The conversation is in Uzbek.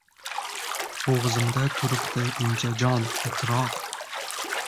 Bo‘g‘zimda turibdi inja jon, titroq.